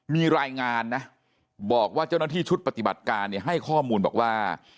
มีรายงานนะบอกว่าเจ้าหน้าที่ชุดปฏิบัติการเนี่ยให้ข้อมูลบอกว่า